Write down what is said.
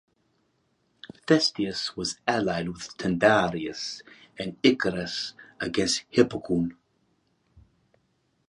Thestius was allied with Tyndareus and Icarius against Hippocoon.